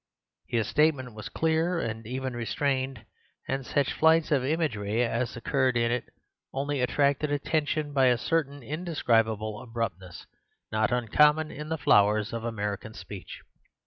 His statement was clear and even restrained, and such flights of imagery as occurred in it only attracted attention by a certain indescribable abruptness, not uncommon in the flowers of American speech.